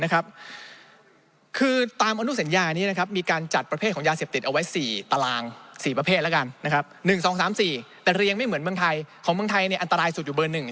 คือตามอนุสัญญานี้มีการจัดประเภทของยาเสียบติด